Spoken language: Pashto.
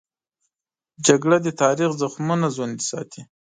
جګړه د تاریخ زخمونه ژوندي ساتي